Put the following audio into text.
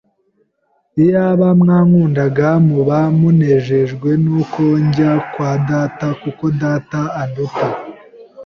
Iyaba mwankundaga, muba munezejwe n’uko njya kwa Data, kuko Data anduta.